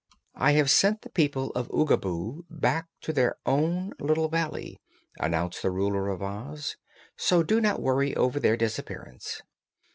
"I have sent the people of Oogaboo back to their own little valley," announced the Ruler of Oz; "so do not worry over their disappearance."